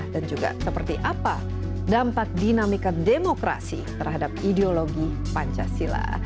dan juga seperti apa dampak dinamika demokrasi terhadap ideologi pancasila